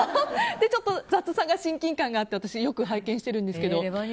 雑さが親近感があってよく拝見してるんですけど。